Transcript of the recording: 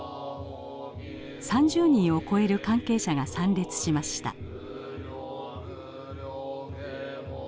３０人を超える関係者が参列しました。